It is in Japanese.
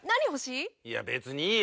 いや別にいいよ